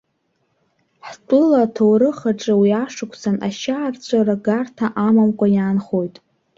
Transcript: Ҳтәыла аҭоурых аҿы уи ашықәсан ашьаарҵәыра гарҭа амамкәа иаанхоит.